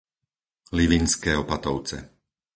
Livinské Opatovce